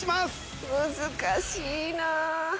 難しいなあ！